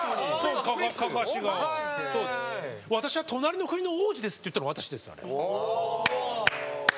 「私は隣の国の王子です」って言ったの私です。